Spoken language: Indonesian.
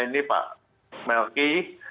ini pak melki